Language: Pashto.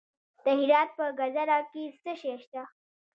د هرات په ګذره کې څه شی شته؟